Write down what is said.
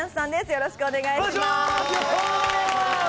よろしくお願いします。